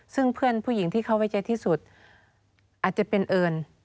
ซึ่งเพื่อนผู้หญิงที่เขาไว้ใจที่สุดอาจจะเป็นเอิญ